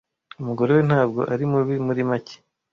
umugore we ntabwo ari mubi muri make